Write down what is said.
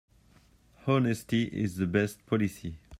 Honesty is the best policy.